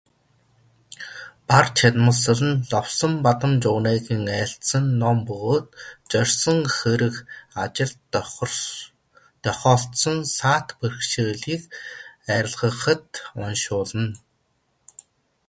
Барчидламсэл нь Ловонбадамжунайн айлдсан ном бөгөөд зорьсон хэрэг ажилд тохиолдсон саад бэрхшээлийг арилгахад уншуулна.